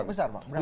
itu besar bang